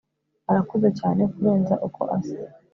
arakuze cyane kurenza uko asa